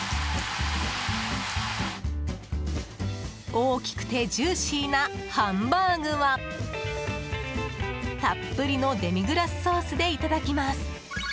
大きくてジューシーなハンバーグはたっぷりのデミグラスソースでいただきます。